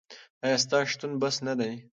ایا ستا شتون بس نه دی؟